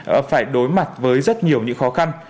họ phải đối mặt với rất nhiều những khó khăn